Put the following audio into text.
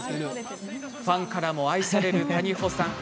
ファンからも愛される谷保さん。